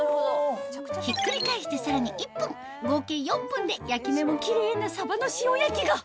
ひっくり返してさらに１分合計４分で焼き目もキレイなさばの塩焼きが！